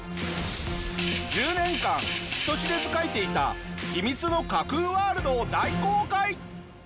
１０年間人知れず描いていた秘密の架空ワールドを大公開！